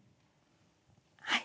はい。